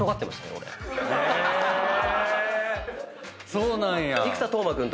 そうなんや。